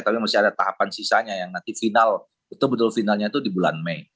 tapi masih ada tahapan sisanya yang nanti final itu betul finalnya itu di bulan mei